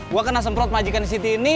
gua kena semprot majikan sit ini